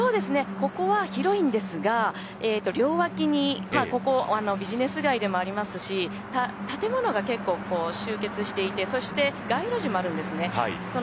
ここは広いんですが、両脇にここ、ビジネス街でもありますし建物が結構集結していてそして街路樹もあるんですね。